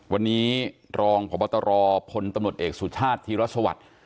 วันนี้รองพบตรพลตำรวจเอกสุชาติธีรสวัสดิ์